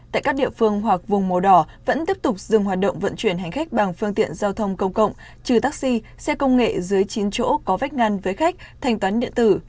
tại các địa phương hoặc vùng màu đỏ vẫn tiếp tục dừng hoạt động vận chuyển hành khách bằng phương tiện giao thông công cộng trừ taxi xe công nghệ dưới chín chỗ có vách ngăn với khách thanh toán điện tử